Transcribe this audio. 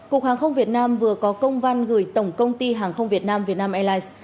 cục hàng không việt nam vừa có công văn gửi tổng công ty hàng không việt nam vietnam airlines